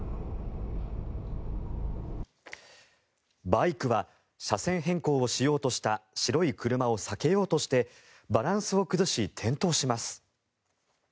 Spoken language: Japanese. バイクは車線変更をしようとした白い車を避けようとしてバランスを崩し転倒します。